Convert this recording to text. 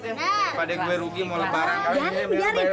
daripada gua rugi mau lu barangkali nih